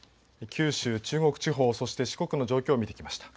九州、中国地方、そして四国の状況見てきました。